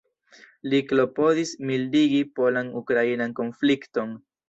Li klopodis mildigi polan-ukrainan konflikton.